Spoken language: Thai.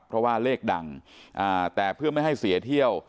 เพราะว่าเลขดังแต่เพื่อไม่ให้เสียเที่ยว